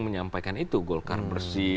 menyampaikan itu golkar bersih